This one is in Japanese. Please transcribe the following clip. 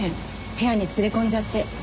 部屋に連れ込んじゃって。